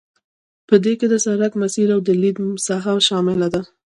په دې کې د سرک مسیر او د لید ساحه شامل دي